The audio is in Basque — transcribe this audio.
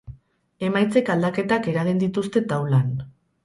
Emaitzek aldaketak eragin dituzte taulan.